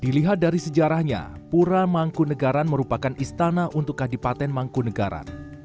dilihat dari sejarahnya pura mangkunegaran merupakan istana untuk kadipaten mangkunegara